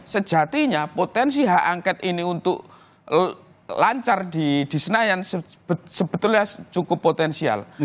sejatinya potensi hak angket ini untuk lancar di senayan sebetulnya cukup potensial